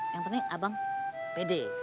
yang penting abang pede